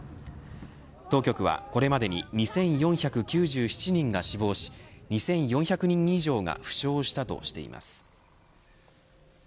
当局はこれまでに２４９７人が死亡し２４００人以上が負傷したとしています。